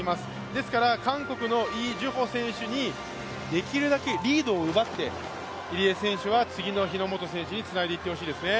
ですから韓国のイ・ジュホ選手にできるだけリードを奪って入江選手は次の日本選手につないでいってほしいですね。